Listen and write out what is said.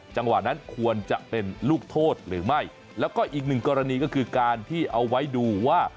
จังหวะนั้นควรจะเป็นลูกโทษหรือไม่แล้วก็อีกหนึ่งกรณีก็คือการที่เอาไว้ดูว่า